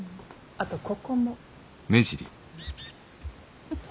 あとここも。